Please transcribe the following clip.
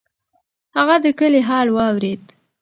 هغه د کلي حال واورېد.